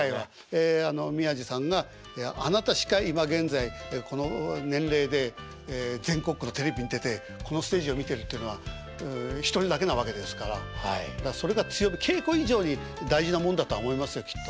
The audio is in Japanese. えあの宮治さんがあなたしか今現在この年齢で全国区のテレビに出てこのステージを見てるってのは１人だけなわけですからそれが稽古以上に大事なもんだとは思いますよきっと。